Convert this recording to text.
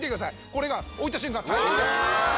これが置いた瞬間大変です